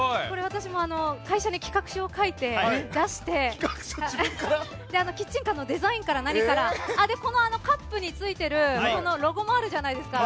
会社に企画書を書いて、出してキッチンカーのデザインから何からカップについているロゴもあるじゃないですか。